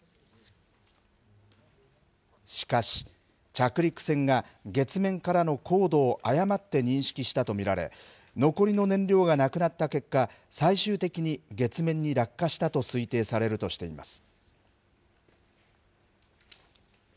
しかし、着陸船が月面からの高度を誤って認識したと見られ、残りの燃料がなくなった結果、最終的に月面に落下したと推定されるとしています。